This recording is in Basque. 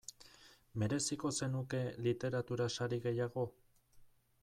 Mereziko zenuke literatura sari gehiago?